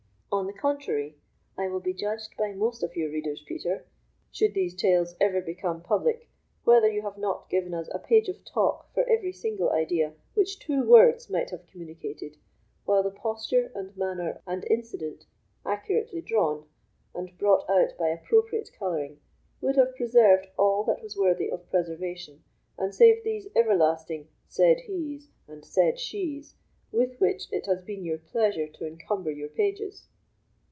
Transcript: On the contrary, I will be judged by most of your readers, Peter, should these tales ever become public, whether you have not given us a page of talk for every single idea which two words might have communicated, while the posture, and manner, and incident, accurately drawn, and brought out by appropriate colouring, would have preserved all that was worthy of preservation, and saved these everlasting 'said he's' and 'said she's,' with which it has been your pleasure to encumber your pages."